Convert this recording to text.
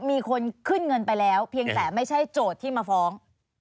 มีคนขึ้นเงินไปแล้วเพียงแต่ไม่ใช่โจทย์ที่มาฟ้อง